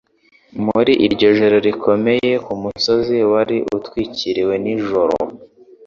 muri iryo joro rikomeye ku musozi wari utwikiriwe n'ijoro,